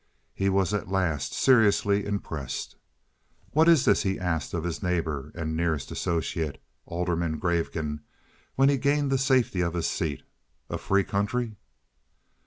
He was at last seriously impressed. "What is this?" he asked of his neighbor and nearest associate, Alderman Gavegan, when he gained the safety of his seat. "A free country?"